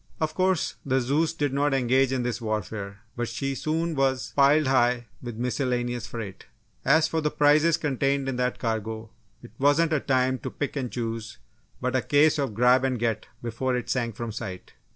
Of course, the Zeus did not engage in this warfare, but she soon was piled high with a miscellaneous freight. As for the prizes contained in that cargo, it wasn't a time to pick and choose, but a case of "grab and get" before it sank from sight.